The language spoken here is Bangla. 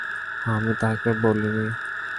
আমি তাকে বলিনি।